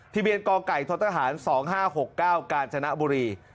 ที่เบียนกองไก่ทศาหรณ์๒๕๖๙กาญชนะบุรี